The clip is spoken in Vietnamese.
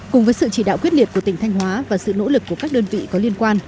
cùng với sự chỉ đạo quyết liệt của tỉnh thanh hóa và sự nỗ lực của các đơn vị có liên quan